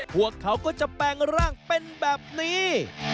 พวกเขาก็จะแปลงร่างเป็นแบบนี้